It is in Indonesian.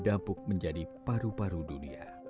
di bagian hidup kalimantan